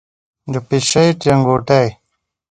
د پیشۍ چنګوټی،